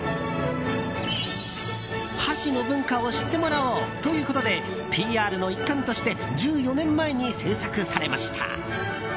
箸の文化を知ってもらおうということでＰＲの一環として１４年前に制作されました。